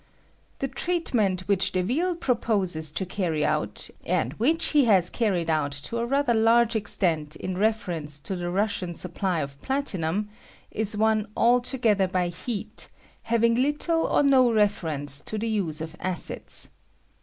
The treatment which Deville proposes to carry out, and which he has carried out to a rather large extent in reference to the Eusaian supply of platinum, is one altogether by heat^ having little or no reference to the use of acids.